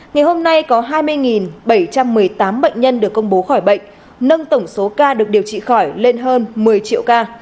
ngày hôm nay có hai mươi bảy trăm một mươi tám bệnh nhân được công bố khỏi bệnh nâng tổng số ca được điều trị khỏi lên hơn một mươi triệu ca